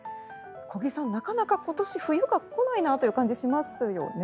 小木さん、なかなか今年は冬が来ない感じがしますよね。